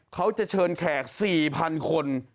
เขาจะเชิญแขก๔๐๐๐คน